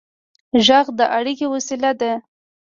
غږ د اړیکې وسیله ده.